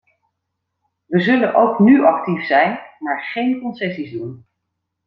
We zullen ook nu actief zijn, maar geen concessies doen.